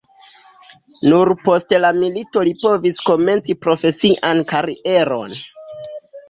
Nur post la milito li povis komenci profesian karieron.